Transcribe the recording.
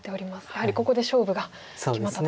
やはりここで勝負が決まったと。